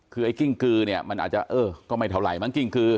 คือไอ้กิ้งกือเนี่ยมันอาจจะเออก็ไม่เท่าไหร่มั้งกิ้งกือ